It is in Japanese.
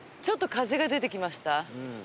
ちょっと風が出てきました。